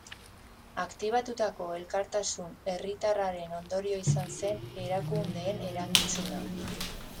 Aktibatutako elkartasun herritarraren ondorio izan zen erakundeen erantzuna.